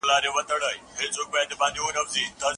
باید د خلکو د ژوند ډول ته پام وسي.